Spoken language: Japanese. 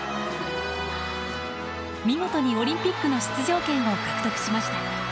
見事にオリンピックの出場権を獲得しました。